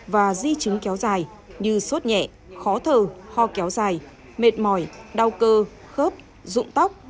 và di chứng kéo dài như sốt nhẹ khó thờ ho kéo dài mệt mỏi đau cơ khớp rụng tóc